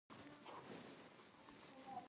د خدای په اړه بې پایه تنزیهي تعریف وړاندې کړو.